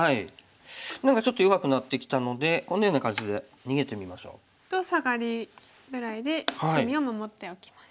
何かちょっと弱くなってきたのでこんなような感じで逃げてみましょう。とサガリぐらいで隅を守っておきます。